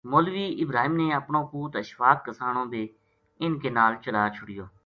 مولوی ابراہیم نے اپنو پُوت اشفاق کسانو بے اِنھ کے نال چلا چھُڑیو